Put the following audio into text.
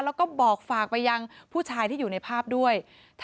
แล้วก็บอกฝากไปยังผู้ชายที่อยู่ในภาพด้วย